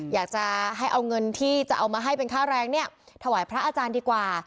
อยากจะให้เอาเงินที่จะเอามาให้เป็นค่าแรงเนี่ยถวายพระอาจารย์ดีกว่า